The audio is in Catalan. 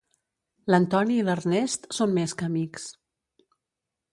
L'Antoni i l'Ernest són més que amics.